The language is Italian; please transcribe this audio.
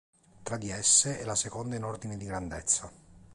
Tra di esse, è la seconda in ordine di grandezza.